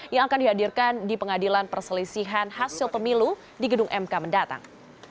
yang akan dihadirkan di pengadilan perselisihan hasil pemilu di gedung mk mendatang